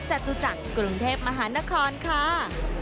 จตุจักรกรุงเทพมหานครค่ะ